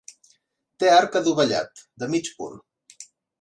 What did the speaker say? Té arc adovellat, de mig punt.